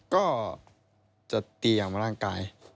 ก็จะเตรียมร่างกาย